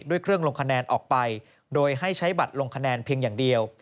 ด้วยเครื่องลงคะแนนออกไปโดยให้ใช้บัตรลงคะแนนเพียงอย่างเดียว